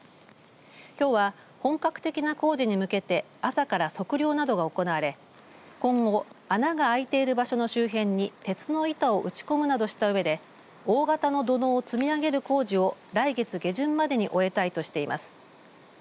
きょうは本格的な工事に向けて朝から測量などが行われ今後穴があいている場所の周辺に鉄の板を打ち込むなどしたうえで大型の土のうを積み上げる工事を来月下旬までには終えたいとしています。